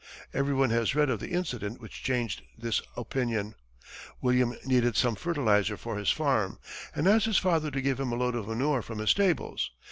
Everyone has read of the incident which changed this opinion. William needed some fertilizer for his farm, and asked his father to give him a load of manure from his stables.